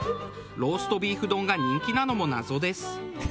ローストビーフ丼が人気なのも謎です。